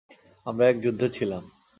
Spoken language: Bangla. আমরা এক যুদ্ধে ছিলাম।